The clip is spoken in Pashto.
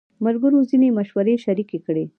ملګرو ځینې مشورې شریکې کړې.